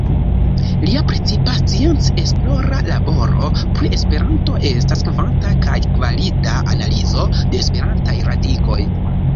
Lia precipa scienc-esplora laboro pri Esperanto estas kvanta kaj kvalita analizo de Esperantaj radikoj.